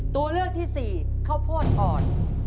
ตัวเลือกที่สี่ข้าวโพดอ่อน